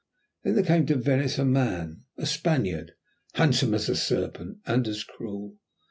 Then there came to Venice a man, a Spaniard, as handsome as a serpent, and as cruel.